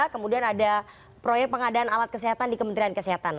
kemudian ada proyek pengadaan alat kesehatan di kementerian kesehatan